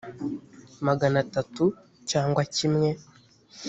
magana atatu cyangwa kimwe